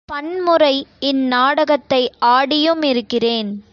பன்முறை இந்நாடகத்தை ஆடியுமிருக்கிறேன்.